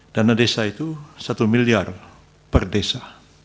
dana desa itu satu miliar per desa